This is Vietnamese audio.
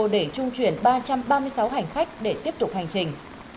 để trung chuyển ba trăm ba mươi sáu hành khách để tiếp tục hành trình